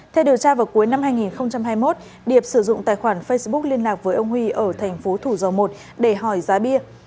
theo điều tra vào cuối năm hai nghìn hai mươi một điệp sử dụng tài khoản facebook liên lạc với ông huy ở thành phố thủ dầu một để hỏi giá bia